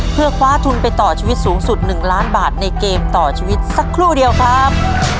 เพื่อคว้าทุนไปต่อชีวิตสูงสุด๑ล้านบาทในเกมต่อชีวิตสักครู่เดียวครับ